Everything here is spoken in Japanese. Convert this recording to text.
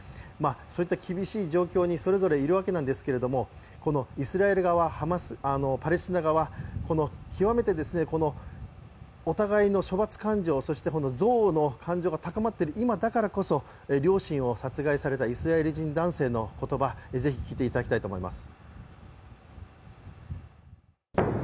そういった厳しい状況にそれぞれいるわけなんですけれどもイスラエル側、パレスチナ側、極めてお互いの処罰感情、そして憎悪の感情が高まっている今だからこそ両親を殺害されたイスラエル人男性の言葉、ぜひ聞いていただきたいと思います。